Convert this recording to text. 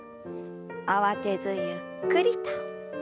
慌てずゆっくりと。